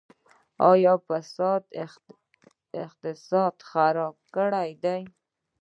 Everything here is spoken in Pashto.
آیا فساد اقتصاد خراب کړی دی؟